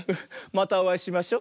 またおあいしましょ。